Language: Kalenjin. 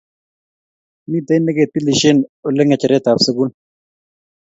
Mitei neketilishe Ole ngecheretab sukul